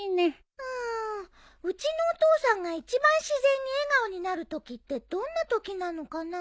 うんうちのお父さんが一番自然に笑顔になるときってどんなときなのかな。